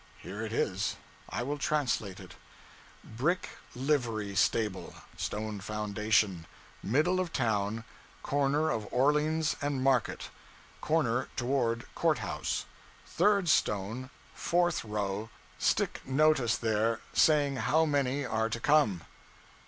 Here it is I will translate it: 'Brick livery stable, stone foundation, middle of town, corner of Orleans and Market. Corner toward Court house. Third stone, fourth row. Stick notice there, saying how many are to come.'